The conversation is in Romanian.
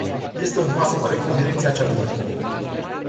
Este un pas corect în direcția cea bună.